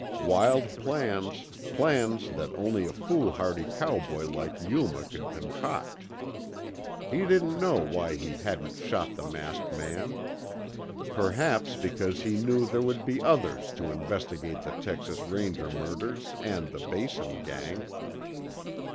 Wild plans, plans that only a foolhardy cowboy like Yuma could concoct. He didn't know why he hadn't shot the masked man; perhaps because he knew there would be others to investigate the Texas Ranger murders and the Basin gang.